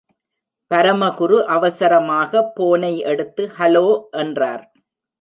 பரமகுரு அவசரமாக போனை எடுத்து ஹலோ! என்றார்.